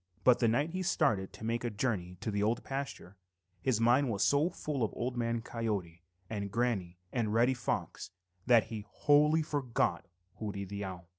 But the night he started to make a journey to the Old Pasture, his mind was so full of Old Man Coyote and Granny and Reddy Fox that he wholly forgot Hooty the Owl.